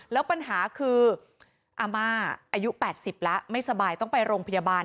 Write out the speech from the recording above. แล้วปัญหาคืออาม่าอายุ๘๐แล้วไม่สบายต้องไปโรงพยาบาล